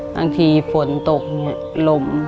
บางทีฝนตกลม